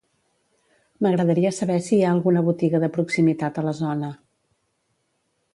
M'agradaria saber si hi ha alguna botiga de proximitat a la zona.